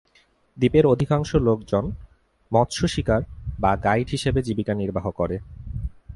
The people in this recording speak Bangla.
দ্বীপের অধিকাংশ লোকজন মৎস শিকার বা গাইড হিসেবে জীবিকা নির্বাহ করে।